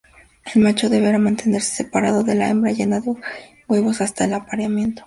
El macho deberá mantenerse separado de la hembra llena de huevos hasta el apareamiento.